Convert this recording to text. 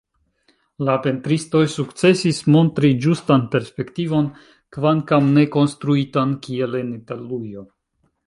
La pentristoj sukcesis montri ĝustan perspektivon, kvankam ne konstruitan kiel en Italujo.